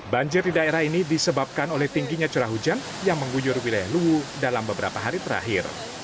banjir di daerah ini disebabkan oleh tingginya curah hujan yang mengguyur wilayah luwu dalam beberapa hari terakhir